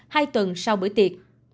hai tuần sau bữa tiệc